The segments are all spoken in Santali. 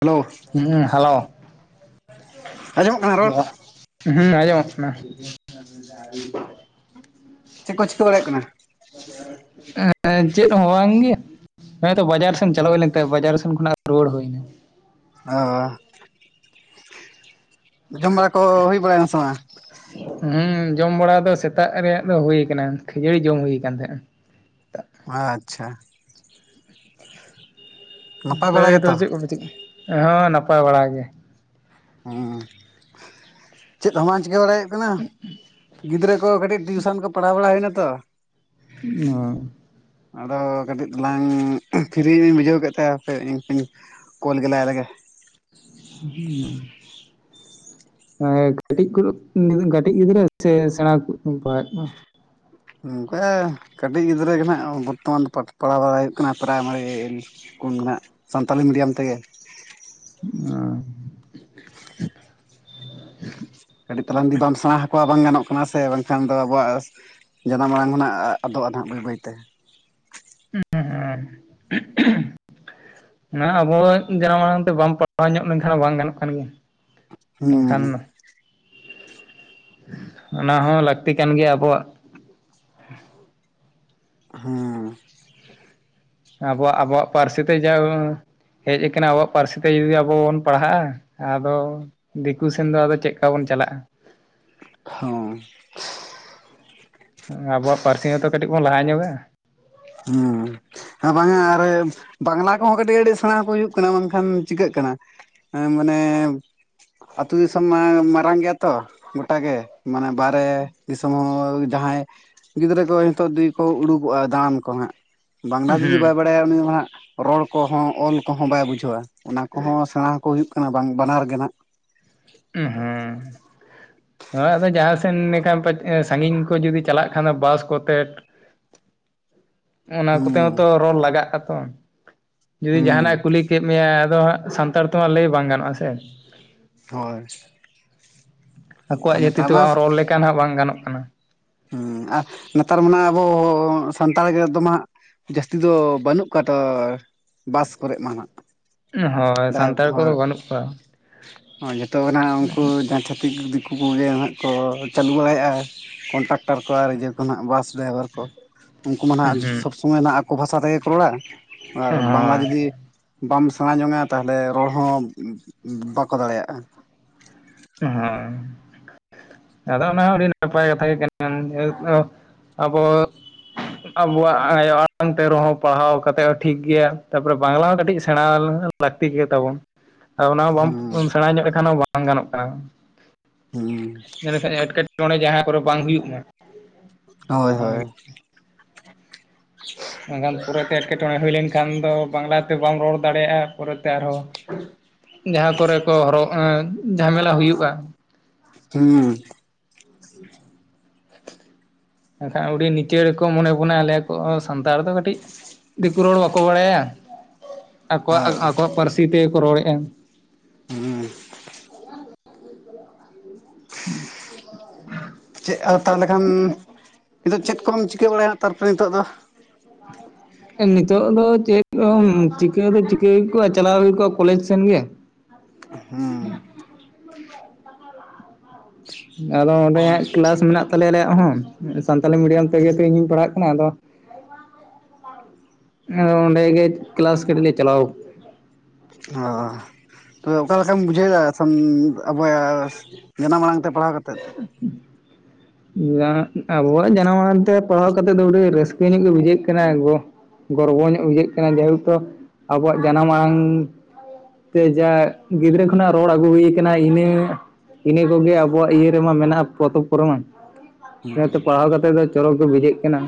ᱦᱮᱞᱳ ᱦᱩᱸ ᱦᱮᱞᱳ ᱟᱸᱡᱚᱢᱚᱜ-ᱚᱜ ᱠᱟᱱᱟ ᱨᱚᱲ ᱦᱩᱸ ᱟᱡᱚᱢ-ᱚᱜ ᱠᱟᱱᱟ ᱪᱮᱫ ᱠᱚ ᱪᱤᱠᱟᱹ ᱵᱟᱲᱟᱭ ᱦᱩᱭᱩᱜ ᱠᱟᱱᱟ ᱮᱸ ᱪᱮᱫ ᱦᱚᱸ ᱵᱟᱝ ᱜᱮ ᱦᱮᱸᱛᱚ ᱵᱟᱡᱟᱨ ᱥᱮᱱ ᱪᱟᱞᱟᱣ ᱦᱩᱭ ᱛᱟᱦᱮᱸ ᱵᱟᱡᱟᱨ ᱥᱮᱱ ᱠᱷᱚᱱᱟᱜ ᱨᱩᱩᱭᱟᱹᱲ ᱦᱩᱭ ᱮᱱᱟ ᱚᱻ ᱡᱚᱢ ᱵᱟᱲᱟ ᱠᱚ ᱦᱩᱭ ᱵᱟᱲᱟᱭᱟ ᱱᱟ ᱥᱮ ᱵᱟᱝ? ᱦᱮᱸ ᱡᱚᱢ ᱵᱟᱲᱟ ᱫᱚ ᱥᱮᱛᱟᱜ ᱨᱮᱭᱟᱜ ᱫᱚ ᱦᱩᱭ ᱠᱟᱱᱟ ᱠᱷᱟᱹᱡᱟᱹᱲᱤ ᱡᱚᱢ ᱦᱩᱭᱩ ᱠᱟᱱ ᱛᱟᱦᱮᱸ-ᱟ ᱟᱪᱪᱷᱟ ᱱᱟᱯᱟᱭ ᱯᱟᱹᱭ ᱵᱟᱲᱟ ᱫᱚ ᱜᱮᱛᱚ ᱪᱮᱫ ᱠᱚᱯᱮ ᱪᱤᱠᱟᱹ ᱦᱚᱸ ᱱᱟᱯᱟᱭ ᱵᱟᱲᱟ ᱜᱮ, ᱦᱚᱸ ᱪᱮᱫ ᱦᱚᱸ ᱵᱟᱝ ᱪᱤᱠᱟᱹ ᱵᱟᱲᱟᱭᱮᱫ, ᱦᱩᱭᱱᱟ ᱜᱤᱫᱽᱨᱟᱹ ᱠᱚ ᱠᱟᱹᱴᱤᱡ ᱴᱤᱭᱩᱥᱚᱱ ᱠᱚ ᱯᱟᱲᱦᱟᱣ ᱵᱟᱲᱟ ᱦᱩᱭᱱᱟ ᱛᱚ ᱚ ᱟᱫᱚ ᱠᱟᱹᱴᱤᱡ ᱛᱟᱞᱟᱝ ᱯᱷᱤᱨᱤ ᱞᱤᱧ ᱵᱩᱡᱷᱟᱹᱣ ᱠᱮᱫ ᱛᱟᱦᱮᱸ ᱦᱟᱯᱮ ᱤᱧ ᱠᱳᱞ ᱜᱮᱞᱟᱭ ᱞᱮᱜᱮ, ᱦᱩᱸ ᱦᱮᱸ ᱠᱟᱹᱴᱤᱡ ᱠᱚ ᱠᱟᱹᱴᱤᱡ ᱜᱤᱫᱽᱨᱟᱹ ᱥᱮ ᱥᱮᱲᱟ ᱠᱚ ᱵᱤᱱ ᱯᱟᱲᱦᱟᱣ ᱮᱫ ᱠᱚᱣᱟ᱾ ᱚᱝᱠᱟ ᱠᱟᱹᱴᱤᱡ ᱜᱤᱫᱽᱨᱟᱹ ᱜᱮ ᱱᱟᱜ ᱵᱚᱨᱛᱚᱢᱟᱱ ᱯᱟᱲᱦᱟᱣ ᱵᱟᱲᱟ ᱦᱩᱭᱩᱜ ᱠᱟᱱᱟ ᱯᱨᱟᱭᱢᱟᱨᱤ ᱠᱚ ᱢᱮᱱᱟᱜ ᱥᱟᱱᱛᱟᱞᱤ ᱢᱤᱰᱤᱭᱟᱢ ᱛᱮᱜᱮ [unintelligible] [unintelligible] [inaudible] ᱠᱟᱹᱴᱤᱡ ᱛᱟᱞᱟᱝ ᱡᱩᱫᱤ ᱵᱟᱢ ᱥᱮᱬᱟ ᱟᱠᱚᱣᱟ ᱵᱟᱝ ᱜᱟᱱᱚᱜ ᱠᱟᱱᱟ ᱥᱮ ᱵᱟᱝ ᱠᱷᱟᱱ ᱫᱚ ᱟᱵᱚᱣᱟᱜ ᱡᱟᱱᱟᱢ ᱟᱲᱟᱝ ᱦᱚᱸᱱᱟᱜ ᱟᱫᱚᱜ-ᱟ ᱱᱟᱦᱟᱜ ᱵᱟᱹᱭ ᱵᱟᱹᱭ ᱛᱮ [inaudible] [unintelligible] ᱦᱮᱸ ᱟᱵᱚ ᱡᱟᱱᱟᱢ ᱟᱲᱟᱝ ᱛᱮ ᱵᱟᱢ ᱯᱟᱲᱦᱟᱣ ᱧᱚᱜ ᱞᱮᱱᱠᱷᱟᱱ ᱵᱟᱝ ᱜᱟᱱᱚᱜ ᱠᱟᱱ ᱜᱮᱭᱟ ᱵᱟᱝᱠᱷᱟᱱ᱾ ᱦᱩᱸ ᱚᱱᱟ ᱦᱚᱸ ᱞᱟᱹᱠᱛᱤ ᱠᱟᱱ ᱜᱮᱭᱟ ᱟᱵᱚᱣᱟᱜ ᱦᱚᱸ ᱟᱵᱚᱣᱟᱜ ᱟᱵᱚᱣᱟᱜ ᱯᱟᱹᱨᱥᱤ ᱛᱮ ᱡᱟᱞ ᱦᱮᱡ ᱟᱠᱟᱱᱟ ᱟᱵᱚᱣᱟᱜ ᱯᱟᱹᱨᱥᱤ ᱛᱮ ᱡᱩᱫᱤ ᱟᱵᱚ ᱵᱚᱱ ᱯᱟᱲᱦᱟᱜᱼᱟ ᱟᱫᱚ ᱫᱤᱠᱩ ᱥᱮᱱ ᱫᱚ ᱟᱫᱚ ᱪᱮᱫ ᱠᱟ ᱵᱚᱱ ᱪᱟᱞᱟᱜᱼᱟ ᱦᱚᱸ ᱟᱵᱚᱣᱟᱜ ᱯᱟᱹᱨᱥᱤ ᱦᱚᱸᱛᱚ ᱠᱟᱹᱴᱤᱡ ᱵᱚᱱ ᱞᱟᱦᱟ ᱧᱚᱜᱟ ᱦᱩᱸ ᱦᱮᱸ ᱵᱟᱝ-ᱟ ᱟᱨ ᱵᱟᱝᱞᱟ ᱠᱚᱦᱚᱸ ᱠᱟᱹᱴᱤᱡ ᱟᱹᱰᱤ ᱥᱮᱬᱟ ᱟᱠᱚ ᱦᱩᱭᱩᱜ ᱠᱟᱱᱟ ᱢᱮᱱᱠᱷᱟᱱ ᱪᱤᱠᱟᱹᱜ ᱠᱟᱱᱟ ᱦᱮᱸ ᱢᱟᱱᱮ ᱟᱹᱛᱩ ᱫᱤᱥᱚᱢ ᱢᱟ ᱢᱟᱨᱟᱝ ᱜᱮᱭᱟ ᱛᱚ ᱜᱚᱴᱟᱜᱮ ᱢᱟᱱᱮ ᱵᱟᱦᱨᱮ ᱫᱤᱥᱚᱢ ᱦᱚᱸ ᱡᱟᱦᱟᱸᱭ ᱜᱤᱫᱽᱨᱟᱹ ᱠᱚ ᱱᱤᱛᱚᱜ ᱡᱩᱫᱤ ᱠᱚ ᱩᱰᱩᱠᱚᱜᱼᱟ ᱫᱟᱬᱟᱱ ᱠᱚ ᱦᱟᱸᱜ ᱵᱟᱝᱞᱟ ᱡᱩᱫᱤ ᱦᱩᱸ ᱵᱟᱭ ᱵᱟᱲᱟᱭᱟ ᱩᱱᱤ ᱫᱚ ᱦᱟᱸᱜ ᱨᱚᱲ ᱠᱚᱦᱚᱸ ᱚᱞ ᱠᱚᱦᱚᱸ ᱵᱟᱭ ᱵᱩᱡᱷᱟᱹᱣᱟ ᱚᱱᱟ ᱠᱚᱦᱚᱸ ᱥᱮᱬᱟ ᱟᱠᱚ ᱦᱩᱭᱩᱜ ᱠᱟᱱᱟ ᱵᱟᱝ ᱵᱟᱱᱟᱨ ᱠᱟᱱᱟ ᱦᱮᱸ ᱚᱲᱟᱜ ᱨᱮ ᱡᱟᱦᱟᱸ ᱥᱮᱱ ᱮᱠᱷᱟᱱ ᱥᱟᱺᱜᱤᱧ ᱠᱚ ᱡᱩᱫᱤ ᱪᱟᱞᱟᱜ ᱠᱷᱟᱱᱮ ᱵᱟᱥ ᱠᱚᱛᱮ [inaudible] ᱚᱱᱟ ᱠᱚᱛᱮ ᱦᱚᱸᱛᱚ ᱦᱩᱸ ᱨᱚᱲ ᱞᱟᱜᱟᱜᱼᱟᱛᱚ ᱡᱩᱫᱤ ᱦᱩᱸ ᱡᱟᱦᱟᱱᱟᱜᱼᱮ ᱠᱩᱞᱤ ᱠᱮᱫ ᱢᱮᱭᱟᱭ ᱟᱫᱚ ᱦᱟᱸᱜ ᱥᱟᱱᱛᱟᱲ ᱛᱮᱢᱟ ᱞᱟᱹᱭ ᱵᱟᱝ ᱜᱟᱱᱚᱜᱼᱟ ᱥᱮ ᱦᱳᱭ ᱟᱨ ᱟᱠᱚᱣᱟᱜ ᱡᱟᱹᱛᱤ ᱱᱮᱛᱟᱨ ᱛᱮ ᱢᱟ ᱨᱚᱲ ᱞᱮᱠᱟᱱ ᱦᱟᱸᱜ ᱵᱟᱝ ᱜᱟᱱᱚᱜ ᱠᱟᱱᱟ ᱦᱩᱸ ᱟᱨ ᱱᱮᱛᱟᱨ ᱢᱟᱱᱟ ᱟᱵᱚ ᱥᱟᱱᱛᱟᱲ ᱜᱮ ᱫᱚᱢᱮ ᱦᱟᱸᱜ ᱡᱟᱹᱥᱛᱤ ᱫᱚ ᱵᱟᱹᱱᱩᱜ ᱠᱚᱣᱟ ᱛ ᱵᱟᱥ ᱠᱚᱨᱮᱜ ᱢᱟᱦᱟᱸᱜ ᱦᱚᱭ ᱥᱟᱱᱛᱟᱲ ᱠᱚᱫᱚ ᱵᱟᱹᱱᱩᱜ ᱠᱚᱣᱟ ᱡᱚᱛᱚ ᱜᱮ ᱦᱟᱸᱱᱟᱜ ᱩᱱᱠᱩ ᱡᱟᱦᱟᱸ ᱪᱷᱟᱹᱛᱤᱠ ᱫᱤᱠᱩ ᱠᱚᱜᱮ ᱦᱟᱜ ᱠᱚ ᱪᱟᱹᱞᱩ ᱵᱟᱲᱟᱭᱮᱜᱼᱟ ᱠᱚᱱᱴᱟᱠᱴᱚᱨ ᱠᱚ ᱟᱨ ᱤᱭᱟᱹ ᱠᱚ ᱦᱟᱸᱜ ᱵᱟᱥ ᱰᱨᱟᱭᱵᱷᱟᱨ ᱠᱚ ᱩᱱᱠᱩ ᱢᱟ ᱱᱟᱜ ᱦᱩᱸ ᱥᱚᱵ ᱥᱚᱢᱚᱭ ᱟᱠᱚ ᱵᱷᱟᱥᱟ ᱛᱮᱜᱮ ᱠᱚ ᱨᱚᱲᱟ ᱟᱨ ᱵᱟᱝᱞᱟ ᱦᱳᱭ ᱡᱩᱫᱤ ᱵᱟᱢ ᱥᱮᱬᱟᱡᱚᱝᱟ ᱛᱟᱦᱮᱞᱮ ᱨᱚᱲ ᱦᱚᱸ ᱵᱟᱠᱚ ᱫᱟᱲᱮᱭᱟᱜᱼᱟ ᱦᱮᱸ ᱟᱫᱚ ᱚᱱᱟ ᱦᱚᱸ ᱟᱹᱰᱤ ᱱᱟᱯᱟᱭ ᱠᱟᱛᱷᱟ ᱜᱮ ᱠᱟᱱᱟ ᱟᱵᱚ ᱟᱵᱚᱣᱟᱜ ᱟᱭᱚ ᱟᱲᱟᱝ ᱛᱮ ᱨᱮᱦᱚᱸ ᱯᱟᱲᱦᱟᱣ ᱠᱟᱛᱮ ᱦᱚᱸ ᱴᱷᱤᱠ ᱜᱮᱭᱟ ᱛᱟᱯᱚᱨᱮ ᱵᱟᱝᱞᱟ ᱦᱚᱸ ᱠᱟᱹᱴᱤᱡ ᱥᱮᱬᱟ ᱞᱟᱹᱠᱛᱤ ᱜᱮ ᱛᱟᱵᱚᱱ ᱟᱨ ᱚᱱᱟ ᱦᱚᱸ ᱦᱩᱸ ᱵᱟᱢ ᱥᱮᱬᱟ ᱧᱚᱜ ᱞᱮᱠᱷᱟᱱ ᱦᱚᱸ ᱵᱟᱝ ᱜᱟᱱᱚᱜ ᱠᱟᱱᱟ ᱦᱩᱸ ᱧᱮᱞᱮᱠᱷᱟᱡᱮ ᱮᱸᱴᱠᱮᱴᱚᱬᱮ ᱡᱟᱦᱟᱸ ᱠᱚᱨᱮ ᱵᱟᱝ ᱦᱩᱭᱩᱜ ᱢᱟ ᱦᱳᱭ ᱚᱱᱟ ᱞᱟᱹᱜᱤᱫ ᱦᱳᱭ ᱢᱮᱱᱠᱷᱟᱱ ᱯᱚᱨᱮᱛᱮ ᱮᱸᱴᱠᱮᱴᱚᱬᱮ ᱦᱩᱭ ᱞᱮᱱᱠᱷᱟᱱ ᱫᱚ ᱵᱟᱝᱞᱟᱛᱮ ᱵᱟᱢ ᱨᱚᱲ ᱫᱟᱲᱮᱭᱟᱜᱼᱟ ᱯᱚᱨᱮᱛᱮ ᱟᱨᱦᱚ ᱡᱟᱦᱟᱸ ᱠᱚᱨᱮ ᱠᱚ ᱦᱚᱨᱚᱜ ᱡᱷᱟᱢᱮᱞᱟ ᱦᱩᱭᱩᱜᱼᱟ ᱦᱩᱸ ᱮᱱᱠᱷᱟᱱ ᱟᱹᱰᱤ ᱱᱤᱪᱟᱹᱲ ᱠᱚ ᱢᱚᱱᱮ ᱵᱚᱱᱟ ᱟᱞᱮ ᱥᱟᱱᱛᱟᱲ ᱫᱚ ᱠᱟᱹᱴᱤᱡ ᱫᱤᱠᱩ ᱨᱚᱲ ᱵᱟᱠᱚ ᱵᱟᱲᱟᱭᱟ ᱟᱠᱚᱣᱟᱜ ᱦᱳᱭ ᱟᱠᱚᱣᱟᱜ ᱯᱟᱹᱨᱥᱤ ᱛᱤ ᱛᱮᱜᱮᱠᱚ ᱨᱚᱲᱮᱜᱼᱟ ᱦᱩᱸ [inaudible] ᱪᱮᱫ ᱟᱨ ᱛᱟᱦᱚᱞᱮ ᱠᱷᱟᱱ ᱱᱤᱛᱚᱜ ᱪᱮᱫ ᱠᱚᱢ ᱪᱤᱠᱟᱹ ᱵᱟᱲᱟᱭᱟ ᱛᱟᱨᱯᱚᱨᱮ ᱱᱤᱛᱚᱜ ᱫᱚ ᱱᱤᱛᱚᱜ ᱫᱚ ᱪᱮᱫ ᱪᱤᱠᱟᱹ ᱫᱚ ᱪᱤᱠᱟᱹ ᱦᱩᱭ ᱠᱚᱜᱼᱟ ᱪᱟᱞᱟᱣ ᱦᱩᱭ ᱠᱚᱜᱼᱟ ᱠᱚᱞᱮᱡᱽ ᱥᱮᱱ ᱜᱮ ᱦᱩᱸ ᱟᱫᱚ ᱚᱸᱰᱮᱦᱟᱜ ᱠᱮᱞᱟᱥ ᱢᱮᱱᱟᱜ ᱛᱟᱞᱮᱭᱟ ᱟᱞᱮᱭᱟᱜ ᱦᱚᱸ ᱥᱟᱱᱛᱟᱞᱤ ᱢᱤᱰᱤᱭᱟᱢ ᱛᱮᱜᱮ ᱛᱚ ᱤᱧᱤᱧ ᱯᱟᱲᱦᱟᱜ ᱠᱟᱱᱟ ᱟᱫᱚ [unintelligible] ᱚᱸᱰᱮ ᱜᱮ ᱠᱞᱟᱥ ᱠᱟᱹᱴᱤᱡ ᱞᱮ ᱪᱟᱞᱟᱣ ᱚ ᱛᱚ ᱚᱠᱟ ᱞᱮᱠᱟᱢ ᱵᱩᱡᱷᱟᱹᱣ ᱮᱫᱟ ᱟᱵᱚᱭᱟ ᱡᱟᱱᱟᱢ ᱟᱲᱟᱝᱛᱮ ᱯᱟᱲᱦᱟᱣ ᱠᱟᱛᱮᱫ [inaudible] [unintelligible] ᱟᱵᱚᱣᱟᱜ ᱡᱟᱱᱟᱢ ᱟᱲᱟᱝ ᱛᱮ ᱯᱟᱲᱦᱟᱣ ᱠᱟᱛᱮᱜ ᱫᱚ ᱟᱹᱰᱤ ᱨᱟᱹᱥᱠᱟᱹ ᱧᱚᱜ ᱜᱮ ᱵᱩᱡᱷᱟᱹᱜ ᱠᱟᱱᱟ ᱜᱚ ᱜᱚᱨᱵᱚ ᱧᱚᱜ ᱵᱩᱡᱷᱟᱹᱜ ᱠᱟᱱᱟ ᱡᱮᱦᱮᱛᱚ ᱟᱵᱚᱣᱟᱜ ᱡᱟᱱᱟᱢ ᱟᱲᱟᱝ ᱛᱮ ᱡᱟ ᱜᱤᱫᱽᱨᱟᱹ ᱠᱷᱚᱱᱟᱜ ᱨᱚᱲ ᱟᱹᱜᱩ ᱦᱩᱭ ᱠᱟᱱᱟ ᱤᱱᱟᱹ ᱤᱱᱟᱹ ᱠᱚᱜᱮ ᱟᱵᱚᱣᱟᱜ ᱤᱭᱟᱹ ᱨᱮᱢᱟ ᱢᱮᱱᱟᱜᱼᱟ ᱯᱚᱛᱚᱵ ᱠᱚᱨᱮ ᱢᱟ ᱤᱱᱟᱹᱛᱮ ᱯᱟᱲᱦᱟᱣ ᱠᱟᱛᱮ ᱫᱚ ᱪᱚᱨᱚᱠ ᱜᱮ ᱵᱩᱡᱷᱟᱹᱜ ᱠᱟᱱᱟ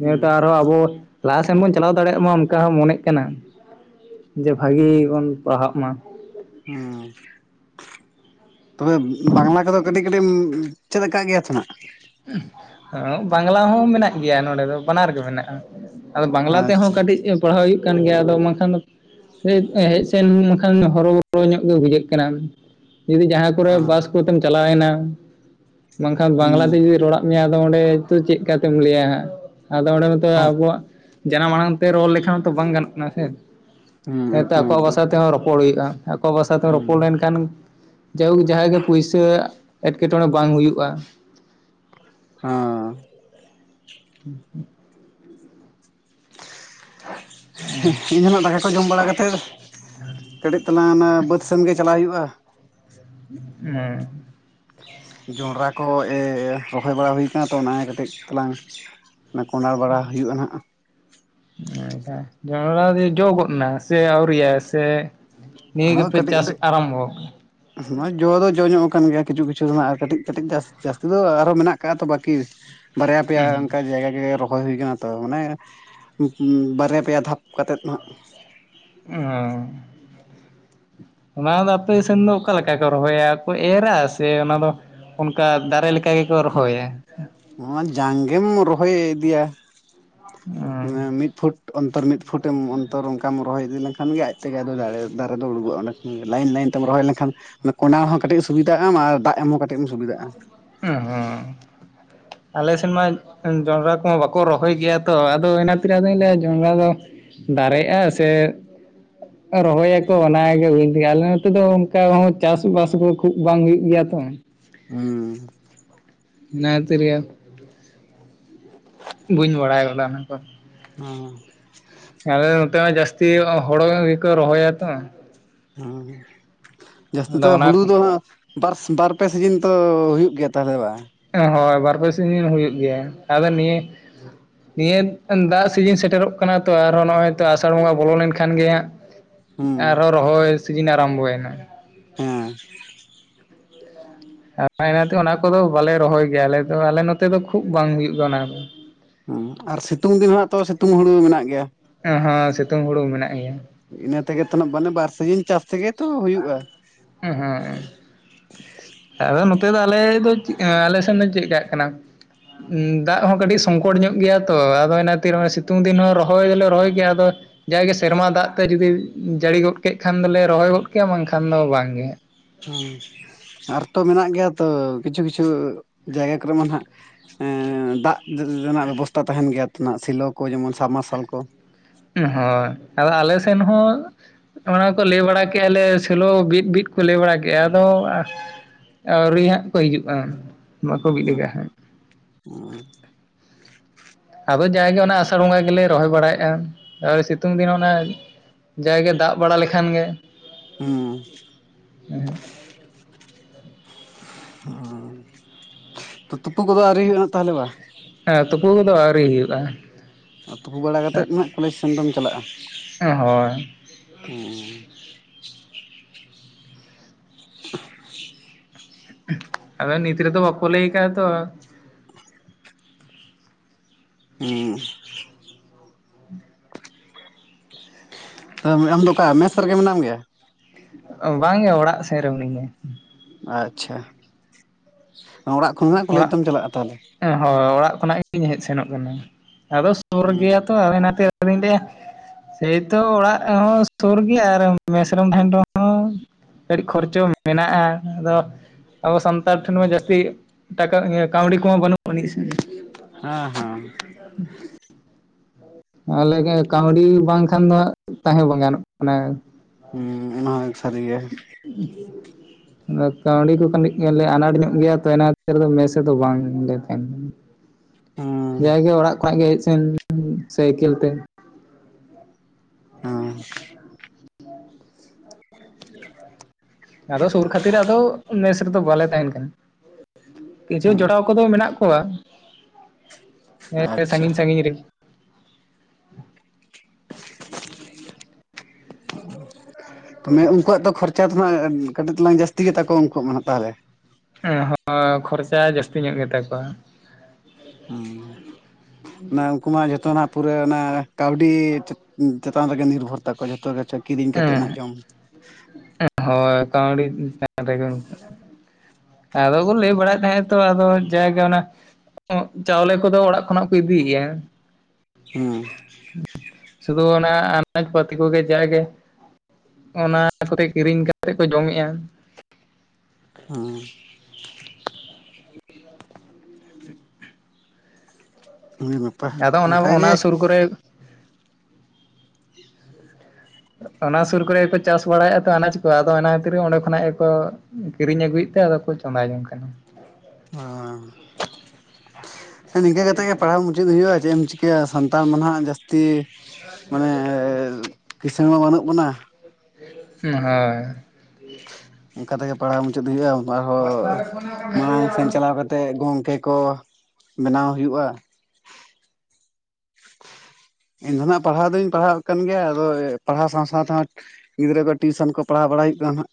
ᱱᱤᱭᱟᱹᱛᱮ ᱟᱨᱚ ᱟᱵᱚ ᱞᱟᱦᱟ ᱥᱮᱱ ᱵᱚᱱ ᱪᱟᱞᱟᱣ ᱫᱟᱲᱮᱭᱟᱜ ᱢᱟ ᱚᱱᱠᱟ ᱦᱚᱸ ᱢᱚᱱᱮᱜ ᱠᱟᱱᱟ ᱡᱮ ᱵᱷᱟᱹᱜᱤ ᱵᱚᱱ ᱯᱟᱲᱦᱟᱜ ᱢᱟ ᱦᱩᱸ [unintelligible] ᱛᱚᱵᱮ ᱵᱟᱝᱞᱟ ᱠᱚᱫᱚ ᱠᱟᱹᱴᱤᱡ ᱠᱟᱹᱴᱤᱡ ᱪᱮᱫ ᱠᱟᱜ ᱜᱮᱭᱟ ᱛᱚᱱᱟᱜ ᱵᱟᱝᱞᱟ ᱦᱚᱸ ᱢᱮᱱᱟᱜ ᱜᱮᱭᱟ ᱱᱚᱰᱮ ᱫᱚ ᱵᱟᱱᱟᱨ ᱜᱮ ᱢᱮᱱᱟᱜᱼᱟ ᱟᱫᱚ ᱵᱟᱝᱞᱟ ᱛᱮᱦᱚᱸ ᱟᱪᱪᱷᱟ ᱠᱟᱹᱴᱤᱡ ᱯᱟᱲᱦᱟᱣ ᱦᱩᱭᱩᱜ ᱠᱟᱱ ᱜᱮᱭᱟ ᱟᱫᱚ ᱵᱟᱝᱠᱷᱟᱱ ᱫᱚ ᱦᱮᱡ ᱥᱮᱱ ᱵᱟᱠᱷᱟᱱ ᱦᱚᱨᱚᱵᱚᱨᱚ ᱧᱚᱜ ᱜᱮ ᱵᱩᱡᱷᱟᱹᱜ ᱠᱟᱱᱟ ᱡᱩᱫᱤ ᱡᱟᱦᱟᱸ ᱠᱚᱨᱮ ᱵᱟᱥ ᱠᱚᱛᱮᱢ ᱪᱟᱞᱟᱣᱮᱱᱟ ᱵᱟᱝᱠᱷᱟᱱ ᱵᱟᱝᱞᱟ ᱦᱩᱸ ᱨᱚᱲᱟᱜ ᱢᱮᱭᱟ ᱟᱫᱚ ᱚᱸᱰᱮ ᱛᱚ ᱪᱮᱫ ᱠᱟᱛᱮᱢ ᱞᱟᱹᱭᱟ ᱦᱟᱸᱜ ᱟᱫᱚ ᱚᱸᱰᱮ ᱢᱟᱛᱚ ᱟᱵᱚᱣᱟᱜ ᱡᱟᱱᱟᱢ ᱟᱲᱟᱝ ᱛᱮ ᱨᱚᱲ ᱞᱮᱠᱷᱟᱱ ᱦᱚᱸ ᱛᱚ ᱵᱟᱝ ᱜᱟᱱᱚᱜ ᱠᱟᱱᱟ ᱥᱮ ᱦᱩᱸ ᱦᱮᱸ ᱛᱚ ᱮᱠᱫᱚᱢ ᱟᱠᱚᱣᱟᱜ ᱮᱠᱫᱚᱢ ᱵᱷᱟᱥᱟ ᱛᱮᱦᱚᱸ ᱨᱚᱯᱚᱲ ᱦᱩᱭᱩᱜᱼᱟ ᱟᱠᱚᱣᱟᱜᱵᱷᱟᱥᱟ ᱛᱮ ᱦᱩᱸ ᱨᱚᱯᱚᱲ ᱞᱮᱱᱠᱷᱟᱱ ᱡᱟᱭ ᱦᱩ ᱡᱟᱦᱟᱭ ᱜᱮ ᱯᱩᱭᱥᱟᱹᱜ ᱮᱸᱴᱠᱮᱴᱚᱬᱮ ᱵᱟᱝ ᱦᱩᱭᱩᱜᱼᱟ ᱦᱚᱸ [unintelligible] ᱦᱮᱸ ᱤᱧ ᱦᱚᱸ ᱱᱟᱜ ᱫᱟᱠᱟ ᱠᱚ ᱡᱚᱢ ᱵᱟᱲᱟ ᱠᱟᱛᱮᱫ᱾ ᱠᱟᱹᱴᱤᱡ ᱛᱟᱞᱟᱝ ᱚᱱᱟ ᱵᱟᱹᱫ ᱥᱮᱱ ᱜᱮ ᱪᱟᱞᱟᱣ ᱦᱩᱭᱩᱜᱼᱟ᱾ ᱚ ᱡᱚᱸᱰᱨᱟ ᱠᱚ ᱮ-ᱮ ᱨᱚᱦᱚᱭ ᱵᱟᱲᱟ ᱦᱩᱭ ᱠᱟᱱᱟ ᱛᱚ᱾ ᱚᱱᱟ ᱜᱮ ᱠᱟᱹᱴᱤᱡ ᱛᱟᱞᱟᱝ ᱚᱱᱟ ᱠᱚᱰᱚᱰ ᱵᱟᱲᱟ ᱦᱩᱭᱩᱜᱼᱟ, ᱱᱟᱦᱟᱜ᱾ ᱟᱪᱪᱷᱟ, ᱡᱚᱱᱰᱨᱟ ᱫᱚ ᱡᱚ ᱜᱚᱫ ᱮᱱᱟ ᱥᱮ ᱟᱹᱣᱤ‌ᱨᱤᱭᱟ ᱥᱮ ᱱᱤᱭᱟᱹ ᱦᱚᱸ ᱜᱮᱯᱮ ᱠᱟᱴᱤᱡ ᱪᱟᱥ ᱠᱟᱴᱤᱡ᱾ ᱟᱨᱟᱢᱵᱚ ᱱᱚᱜᱚᱭ ᱡᱚ ᱫᱚ ᱡᱚ ᱧᱚᱜ ᱠᱟᱱ ᱜᱮᱭᱟ᱾ ᱠᱤᱪᱷᱩ ᱠᱤᱪᱷᱩ ᱢᱟ ᱟᱨ ᱠᱟᱹᱴᱤᱡ ᱠᱟᱹᱴᱤᱡ ᱡᱟᱥ ᱡᱟᱥᱛᱤ ᱫᱚ ᱟᱨᱦᱚᱸ ᱢᱮᱱᱟᱜ ᱠᱟᱜ ᱛᱚ ᱵᱟᱹᱠᱤ᱾ ᱵᱟᱨᱭᱟ ᱚ ᱯᱮᱭᱟ ᱚᱱᱠᱟ ᱡᱟᱭᱜᱟ ᱜᱮ ᱨᱚ ᱨᱚᱦᱚᱭ ᱦᱩᱭ ᱟᱠᱟᱱᱟ ᱛᱚ᱾ ᱢᱟᱱᱮ ᱵᱟᱨᱭᱟ ᱯᱮᱭᱟ ᱫᱷᱟᱯ ᱠᱟᱛᱮᱫ ᱱᱟᱜ᱾ ᱚ ᱚᱱᱟ ᱫᱚ ᱟᱯᱮ ᱥᱮᱱ ᱫᱚ ᱚᱠᱟ ᱞᱮᱠᱟ ᱠᱚ ᱨᱚᱦᱚᱭᱟ ᱠᱚ? ᱮᱨᱟ ᱥᱮ ᱚᱱᱟ ᱫᱚ ᱚᱱᱠᱟ ᱫᱟᱨᱮ ᱞᱮᱠᱟ ᱜᱮᱠᱚ ᱨᱚᱦᱚᱭᱟ᱾ ᱱᱚᱣᱟ ᱡᱟᱝ ᱜᱮᱢ ᱨᱚᱦᱚᱭ ᱤᱫᱤᱭᱟ᱾ ᱚ ᱢᱤᱫ ᱯᱷᱩᱴ ᱚᱱᱛᱚᱨ ᱢᱤᱫ ᱯᱷᱩᱴᱮᱢ ᱚᱱᱛᱚᱨ ᱚᱱᱠᱟᱢ ᱨᱚᱦᱚᱭ ᱤᱫᱤ ᱞᱮᱱᱠᱷᱟᱱ ᱜᱮ ᱟᱡ ᱛᱮᱜᱮ ᱟᱫᱚ ᱫᱟᱨᱮ ᱫᱟᱨᱮ ᱫᱚ ᱩᱰᱩᱠᱚᱜᱼᱟ᱾ ᱞᱟᱭᱤᱱ ᱞᱟᱭᱤᱱ ᱛᱮᱢ ᱨᱚᱦᱚᱭ ᱞᱮᱠᱷᱟᱱ ᱠᱚᱰᱟᱲ ᱦᱚᱸ ᱠᱟᱹᱴᱤᱡ ᱥᱩᱵᱤᱫᱟᱜᱼᱟ ᱟᱨ ᱫᱟᱜ ᱮᱢ ᱦᱚ ᱚ ᱦᱚᱸ ᱟᱞᱮ ᱥᱮᱱ ᱢᱟ ᱡᱚᱸᱰᱨᱟ ᱠᱚᱦᱚᱸ ᱵᱟᱠᱚ ᱨᱚᱦᱚᱭ ᱜᱮᱭᱟ ᱛᱚ᱾ ᱟᱫᱚ ᱤᱱᱟᱹ ᱠᱷᱟᱛᱮᱨ ᱟᱫᱚᱧ ᱞᱟᱹᱭᱟ ᱡᱚᱸᱰᱨᱟ ᱫᱚ ᱫᱟᱨᱮᱜᱼᱟ ᱥᱮ ᱨᱚᱦᱚᱭᱟ ᱠᱚ, ᱚᱱᱟ ᱜᱮ ᱵᱩᱭ ᱛᱴᱫᱮᱭᱟᱱ ᱟᱞᱮ ᱱᱚᱛᱮ ᱫᱚ ᱚᱠᱟᱨᱮ ᱦᱚᱸ ᱪᱟᱥᱵᱟᱥ ᱠᱚ ᱠᱷᱩᱵ ᱵᱟᱝ ᱦᱩᱭᱩᱜ ᱜᱮᱭᱟ ᱛᱚ᱾ ᱦᱩᱸ ᱱᱮ ᱠᱷᱟᱹᱛᱤᱨ ᱜᱮ᱾ ᱵᱟᱹᱧ ᱵᱟᱲᱟᱭ ᱠᱟᱫᱟ ᱚᱱᱟ ᱠᱚ᱾ ᱦᱚᱸ ᱟᱞᱮ ᱱᱚᱛᱮ ᱢᱟ ᱡᱟᱹᱥᱛᱤ ᱦᱚᱲᱚ ᱜᱮᱠᱚ ᱨᱚᱦᱚᱭᱟ ᱛᱚ᱾ ᱦᱚᱸ ᱡᱟᱹᱥᱛᱤ ᱫᱚ ᱚᱱᱟ ᱦᱩᱲᱩ ᱫᱚ ᱦᱟᱜ ᱵᱟᱨ, ᱵᱟᱨ ᱯᱮ ᱥᱤᱡᱤᱱ ᱛᱚ ᱦᱩᱭᱩᱜ ᱜᱮᱭᱟ ᱛᱟᱦᱞᱮ ᱵᱟᱝ? ᱦᱳᱭ ᱵᱟᱨ ᱯᱮ ᱥᱤᱧ ᱫᱤᱱ ᱦᱩᱭᱩᱜ ᱜᱮᱭᱟ ᱟᱫᱚ ᱱᱤᱭᱟᱹ ᱱᱤᱭᱟᱹ ᱫᱟᱜ ᱥᱤᱡᱤᱱ ᱥᱮᱴᱮᱨᱚᱜ ᱠᱟᱱᱟ ᱛᱚ, ᱟᱨᱦᱚᱸ ᱱᱚᱜᱼᱚᱭ ᱛᱚ ᱟᱥᱟᱲ ᱵᱚᱸᱜᱟ ᱵᱚᱞᱚ ᱞᱮᱱᱠᱷᱟᱱ ᱜᱮ ᱦᱟᱸᱜ᱾ ᱦᱩᱸ ᱟᱨᱦᱚᱸ ᱨᱚᱦᱚᱭ ᱥᱤᱡᱤᱱ ᱟᱨᱟᱢᱵᱷᱚᱭ ᱮᱱᱟ᱾ ᱦᱮᱸ ᱚᱱᱟᱛᱮ ᱚᱱᱟ ᱠᱚᱫᱚ ᱵᱟᱞᱮ ᱨᱚᱦᱚᱭ ᱜᱮᱭᱟ᱾ ᱟᱞᱮ ᱫᱚ ᱟᱞᱮ ᱱᱚᱛᱮ ᱫᱚ ᱠᱷᱩᱵ ᱵᱟᱝ ᱦᱩᱭᱩᱜ ᱜᱮ ᱚᱱᱟ ᱫᱚᱺ ᱦᱩᱸ ᱟᱨ ᱥᱤᱛᱩᱝ ᱫᱤᱱ ᱦᱚᱸ ᱛᱚ, ᱥᱤᱛᱩᱝ ᱦᱩᱲᱩ ᱢᱮᱱᱟᱜ ᱜᱮᱭᱟ? ᱦᱚᱸ ᱥᱤᱛᱩᱝ ᱦᱩᱲᱩ ᱢᱮᱱᱟᱜ ᱜᱮᱭᱟ᱾ ᱤᱱᱟᱹ ᱛᱮᱜᱮ ᱛᱚ ᱢᱟᱱᱮ ᱵᱟᱨ ᱥᱤᱡᱮᱱ ᱪᱟᱥ ᱛᱮᱜᱮ ᱛᱚ ᱦᱩᱭᱩᱜᱼᱟ᱾ ᱦᱮᱸ ᱦᱮᱸ ᱟᱫᱚ ᱱᱚᱛᱮ ᱫᱚ ᱟᱞᱮ ᱫᱚ ᱟᱞᱮ ᱥᱮᱱ ᱫᱚ ᱪᱮᱠᱟᱜ ᱠᱟᱱᱟ᱾ ᱫᱟᱜ ᱦᱚᱸ ᱠᱟᱹᱴᱤᱡ ᱥᱚᱝᱠᱚᱴ ᱧᱚᱜ ᱜᱮᱭᱟ ᱛᱚ᱾ ᱟᱫᱚ ᱚᱱᱟᱛᱮ ᱥᱤᱛᱩᱝ ᱫᱤᱱ ᱦᱚᱸ ᱨᱚᱦᱚᱭ ᱫᱚᱞᱮ ᱨᱚᱦᱚᱭ ᱜᱮᱭᱟ ᱟᱫᱚ᱾ ᱡᱟᱭᱜᱮ ᱥᱮᱨᱢᱟ ᱫᱟᱜ ᱛᱮ ᱡᱩᱫᱤ ᱡᱟᱹᱲᱤ ᱜᱚᱫ ᱠᱮᱫ ᱠᱷᱟᱱ ᱫᱚᱞᱮ ᱨᱚᱦᱚᱭ ᱜᱚᱫᱽ ᱠᱮᱭᱟ ᱵᱟᱝᱠᱷᱟᱱ ᱫᱚ ᱵᱟᱝ ᱜᱮ᱾ ᱦᱮᱸ, ᱟᱨ ᱛᱚ ᱢᱮᱱᱟᱜ ᱜᱮᱭᱟ ᱛᱚ ᱠᱤᱪᱷᱩ ᱠᱤᱪᱷᱩ ᱡᱟᱭᱜᱟ ᱠᱚᱨᱮ ᱢᱟ ᱱᱟᱜ? ᱫᱟᱜ ᱨᱮᱱᱟᱜ ᱵᱮᱵᱚᱥᱛᱟ ᱛᱟᱦᱮᱱ ᱜᱮᱭᱟ ᱱᱟᱜ ᱥᱮᱞᱚ ᱠᱚ, ᱡᱮᱢᱚᱱ ᱥᱟᱢᱟᱨᱥᱟᱞ ᱠᱚ᱾ ᱦᱳᱭ ᱟᱫᱚ ᱟᱞᱮ ᱥᱮᱱ ᱦᱚᱸ᱾ ᱚᱱᱟ ᱠᱚ ᱞᱟᱹᱭ ᱵᱟᱲᱟ ᱠᱮᱫᱼᱟ, ᱟᱞᱮ ᱥᱮᱫ ᱦᱚᱸ ᱥᱮᱞᱳ ᱵᱤᱫᱼᱵᱤᱫ ᱠᱚ ᱞᱟᱹᱭ ᱵᱟᱲᱟ ᱠᱮᱫᱼᱟ ᱟᱫᱚ᱾ ᱟᱹᱣᱨᱤ ᱦᱟᱸᱜ ᱠᱚ ᱦᱤᱡᱩᱜᱼᱟ᱾ ᱵᱟᱠᱚ ᱵᱤᱫ ᱟᱠᱟᱜᱼᱟ᱾ ᱦᱩᱸ ᱟᱫᱚ ᱡᱟᱜᱮ ᱚᱱᱟ ᱟᱥᱟᱲ ᱵᱚᱸᱜᱟ ᱜᱮᱞᱮ ᱨᱚᱦᱚᱭ ᱵᱟᱲᱟᱭᱮᱫᱼᱟ, ᱛᱟᱨᱯᱚᱨᱮ ᱥᱤᱛᱩᱝ ᱫᱤᱱ ᱚᱱᱟ ᱡᱟᱜ ᱜᱮ ᱫᱟᱜ ᱵᱟᱲᱟ ᱞᱮᱠᱷᱟᱱ ᱜᱮ᱾ ᱦᱩᱸ ᱛᱩᱯᱩ ᱠᱚᱫᱚ ᱟᱹᱣᱨᱤ ᱦᱩᱭᱩᱜᱼᱟ, ᱛᱟᱦᱚᱞᱮ ᱵᱟᱝ? ᱦᱮᱸ ᱛᱩᱯᱩ ᱠᱚᱫᱚ ᱟᱹᱣᱨᱤ ᱦᱩᱭᱩᱜᱼᱟ ᱛᱩᱯᱩ ᱵᱟᱲᱟ ᱠᱟᱛᱮᱫ ᱦᱟᱜ ᱠᱚᱞᱮᱡᱽ ᱥᱮᱱ ᱫᱚᱢ ᱪᱟᱞᱟᱜᱼᱟ ᱦᱳᱭ ᱦᱮᱸ [unintelligible] ᱟᱫᱚ ᱱᱤᱛ ᱨᱮᱫᱚ ᱵᱟᱠᱚ ᱞᱟᱹᱭ ᱟᱠᱟᱫ-ᱟ ᱛᱚ ᱦᱮᱸ ᱟᱢ ᱫᱚ ᱚᱠᱟ ᱢᱮᱥ ᱨᱮᱜᱮ ᱢᱮᱱᱟᱢ ᱜᱮᱭᱟ ᱵᱟᱝ ᱜᱮ ᱚᱲᱟᱜ ᱥᱮᱱ ᱨᱮ ᱢᱤᱱᱟᱹᱧᱟ ᱟᱪᱪᱷᱟ ᱚᱲᱟᱜ ᱠᱷᱚᱱ ᱦᱟᱜ ᱠᱚᱞᱮᱡᱽ ᱚᱲᱟᱜ ᱫᱚᱢ ᱪᱟᱞᱟᱜᱼᱟ ᱛᱟᱦᱚᱞᱮ ᱦᱳᱭ ᱚᱲᱟᱜ ᱠᱷᱚᱱᱟᱜ ᱜᱤᱧ ᱦᱮᱡ ᱥᱮᱱᱚᱜ ᱠᱟᱱᱟ ᱟᱫᱚ ᱥᱩᱨ ᱦᱮᱸ ᱜᱮᱭᱟ ᱛᱚ ᱟᱨ ᱚᱱᱟ ᱛᱮ ᱟᱫᱚᱧ ᱞᱟᱹᱭᱟ ᱥᱮᱭ ᱛᱚ ᱚᱲᱟᱜ ᱦᱚᱸ ᱥᱩᱨ ᱜᱮᱭᱟ ᱟᱨ ᱢᱮᱥ ᱨᱮᱢ ᱛᱟᱦᱮᱱ ᱨᱮᱦᱚ ᱠᱟᱹᱴᱤᱡ ᱠᱷᱚᱨᱪᱚ ᱢᱮᱱᱟᱜᱼᱟ ᱟᱫᱚ ᱟᱵᱚ ᱥᱟᱱᱛᱟᱲ ᱴᱷᱮᱱ ᱢᱟ ᱡᱟᱹᱥᱛᱤ ᱴᱟᱠᱟ ᱠᱟᱹᱣᱰᱤ ᱠᱚᱢᱟ ᱵᱟᱹᱱᱩᱜ ᱟᱹᱱᱤᱡ ᱥᱮ ᱦᱮᱸ ᱦᱮᱸ ᱦᱩᱸ ᱟᱞᱮ ᱜᱮ ᱠᱟᱹᱣᱰᱤ ᱵᱟᱝᱠᱷᱟᱱ ᱫᱚ ᱛᱟᱦᱮᱸ ᱵᱟᱝ ᱜᱟᱱᱚᱜ [unintelligible] ᱦᱮᱸ ᱚᱱᱟ ᱦᱚᱸ ᱮᱠ ᱥᱟᱹᱨᱤ ᱜᱮ ᱦᱩᱸ ᱟᱫᱚ ᱠᱟᱹᱣᱰᱤ ᱠᱚ ᱠᱟᱹᱴᱤᱡ ᱞᱮ ᱟᱱᱟᱴ ᱧᱚᱜ ᱜᱮᱭᱟ ᱛᱚ ᱚᱱᱟ ᱠᱷᱟᱛᱤᱨ ᱢᱮᱥ ᱨᱮ ᱫᱚ ᱵᱟᱝ ᱞᱮ ᱛᱟᱦᱮᱱ ᱠᱟᱱᱟ ᱦᱮᱸ ᱡᱟᱭᱜᱮ ᱚᱲᱟᱜ ᱠᱷᱚᱱᱟᱜ ᱜᱮ ᱦᱮᱡ ᱥᱮᱱ ᱥᱟᱭᱠᱮᱞ ᱛᱮ ᱦᱮᱸ ᱟᱫᱚ ᱥᱩᱨ ᱠᱷᱟᱹᱛᱤᱨ ᱟᱫᱚ ᱢᱮᱥ ᱨᱮᱫᱚ ᱵᱟᱞᱮ ᱛᱟᱦᱮᱱ ᱠᱟᱱᱟ ᱠᱤᱪᱷᱩ ᱦᱮᱸ ᱡᱚᱴᱟᱣ ᱠᱚᱫᱚ ᱢᱮᱱᱟᱜ ᱠᱚᱣᱟ ᱦᱮᱸ ᱟᱪᱪᱷᱟ ᱥᱟᱸᱜᱤᱧ ᱥᱟᱸᱜᱤᱧ ᱨᱤᱱ [unintelligible] [unintelligible] ᱩᱱᱠᱩᱣᱟᱜ ᱫᱚ ᱠᱷᱚᱨᱪᱟ ᱫᱚ ᱦᱟᱜ ᱠᱟᱹᱴᱤᱡ ᱛᱟᱞᱟᱝ ᱡᱟᱹᱥᱛᱤ ᱜᱮ ᱛᱟᱠᱚᱣᱟ ᱩᱱᱠᱩᱣᱟᱜ ᱢᱟ ᱦᱟᱜ ᱛᱟᱦᱚᱞᱮ ᱦᱚᱸ ᱠᱷᱚᱨᱪᱟ ᱡᱟᱹᱥᱛᱤ ᱧᱚᱜ ᱜᱮ ᱛᱟᱠᱚᱣᱟ ᱦᱩᱸ ᱚᱱᱟ ᱩᱱᱠᱩ ᱢᱟ ᱡᱚᱛᱚ ᱱᱟᱜ ᱯᱩᱨᱟᱹ ᱚᱱᱟ ᱠᱟᱹᱣᱰᱤ ᱪᱮᱛᱟᱱ ᱨᱮᱜᱮ ᱱᱤᱨᱵᱷᱚᱨ ᱛᱟᱠᱚᱣᱟ ᱡᱷᱚᱛᱚ ᱠᱤᱪᱷᱩ ᱠᱤᱨᱤᱧ ᱠᱟᱛᱮᱜ ᱱᱟᱜ ᱦᱮᱸ ᱡᱚᱢ ᱦᱳᱭ ᱠᱟᱹᱣᱰᱤ ᱪᱮᱛᱟᱱ ᱨᱮᱜᱮ ᱩᱱᱠᱩ [unintelligible] ᱟᱫᱚ ᱠᱚ ᱞᱟᱹᱭ ᱵᱟᱲᱟᱭᱮᱫ ᱛᱟᱦᱮᱸᱜ ᱛᱚ ᱟᱫᱚ ᱡᱟᱭ ᱜᱮ ᱚᱱᱟ ᱪᱟᱣᱞᱮ ᱠᱚᱫᱚ ᱚᱲᱟᱜ ᱠᱷᱚᱱᱟᱜ ᱠᱚ ᱤᱫᱤ ᱜᱮᱭᱟ ᱦᱮᱸ ᱥᱩᱫᱷᱩ ᱚᱱᱟ ᱟᱱᱟᱡᱽ ᱯᱟᱹᱛᱤ ᱠᱚ ᱜᱮ ᱡᱟᱜᱮ ᱚᱱᱟ ᱠᱚᱛᱮ ᱠᱤᱨᱤᱧ ᱠᱟᱛᱮᱜ ᱠᱚ ᱡᱚᱢ ᱮᱫ-ᱟ ᱦᱩᱸ ᱟᱰᱤ ᱱᱟᱯᱟᱭ ᱟᱫᱚ ᱚᱱᱟ ᱚᱱᱠᱟ ᱚᱱᱟ ᱜᱮ ᱥᱩᱨ ᱠᱚᱨᱮ ᱚᱱᱟ ᱥᱩᱨ ᱠᱚᱨᱮ ᱜᱮᱠᱚ ᱪᱟᱥ ᱵᱟᱲᱟᱭᱮᱫ-ᱟ ᱛᱚ ᱟᱱᱟᱡᱽ ᱠᱚ ᱟᱫᱚ ᱚᱱᱟ ᱠᱷᱟᱹᱛᱤᱨ ᱚᱸᱰᱮ ᱠᱷᱚᱱᱟᱜ ᱜᱮᱠᱚ ᱠᱤᱨᱤᱧ ᱟᱹᱜᱩᱭᱮᱫ ᱛᱮ ᱟᱫᱚ ᱠᱚ ᱪᱚᱸᱫᱟ ᱡᱚᱝ ᱠᱟᱱᱟ ᱚ ᱦᱮᱸ ᱱᱤᱝᱠᱟ ᱠᱟᱛᱮᱜ ᱜᱮ ᱯᱟᱲᱦᱟᱣ ᱢᱩᱪᱟᱹᱫ ᱦᱩᱭᱩᱜᱼᱟ ᱪᱮᱫ ᱮᱢ ᱪᱤᱠᱟᱹᱭᱟ ᱥᱟᱱᱛᱟᱲ ᱢᱟ ᱱᱟᱦᱟᱜ ᱡᱟᱹᱥᱛᱤ ᱢᱟᱱᱮ ᱠᱤᱥᱟᱹᱬ ᱢᱟ ᱵᱟᱹᱱᱩᱜ ᱵᱚᱱᱟ ᱦᱳᱭ ᱚᱱᱠᱟ ᱛᱮᱜᱮ ᱯᱟᱲᱦᱟᱣ ᱢᱩᱪᱟᱹᱫ ᱦᱩᱭᱩᱜᱼᱟ ᱟᱨᱦᱚᱸ ᱢᱟᱲᱟᱝ ᱥᱮᱱ ᱪᱟᱞᱟᱣ ᱠᱟ ᱛᱮᱫ ᱜᱚᱢᱠᱮ ᱠᱚ ᱵᱮᱱᱟᱣ ᱦᱩᱭᱩᱜᱼᱟ ᱤᱧ ᱫᱚ ᱱᱟᱜ ᱯᱟᱲᱦᱟᱣ ᱫᱩᱧ ᱯᱟᱲᱦᱟᱣ ᱠᱟᱱ ᱜᱮᱭᱟ ᱟᱫᱚ ᱯᱟᱲᱦᱟᱣ ᱥᱟᱶ ᱥᱟᱶᱛᱮ ᱦᱚᱸ ᱜᱤᱫᱽᱨᱟᱹ ᱠᱚ ᱴᱤᱭᱩᱥᱚᱱ ᱠᱚ ᱯᱟᱲᱦᱟᱣ ᱵᱟᱲᱟᱭ ᱦᱩᱭᱩᱜ ᱠᱟᱱᱟ ᱦᱟᱜ